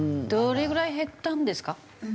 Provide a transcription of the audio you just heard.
どれぐらい減ったんですか？